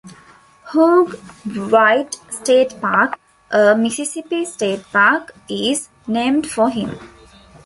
Hugh White State Park, a Mississippi state park, is named for him.